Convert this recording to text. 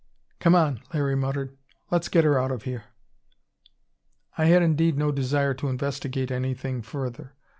"Come on," Larry muttered. "Let's get her out of here." I had indeed no desire to investigate anything further.